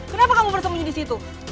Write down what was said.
kenapa kamu bersembunyi disitu